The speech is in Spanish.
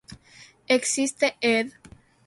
Existe ed.